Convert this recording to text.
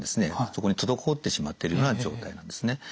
そこに滞ってしまってるような状態なんですね。